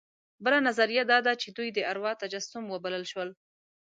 بله نظریه دا ده چې دوی د اروا تجسم وبلل شول.